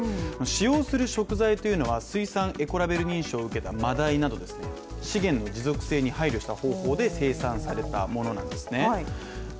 使用する食材は水産エコラベル認証を受けたまだいなど資源の持続性に配慮した方法で生産されたものなんですね。